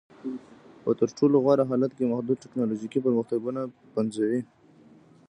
په تر ټولو غوره حالت کې محدود ټکنالوژیکي پرمختګونه پنځوي